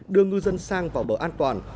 đưa ngư dân sang vào bờ an toàn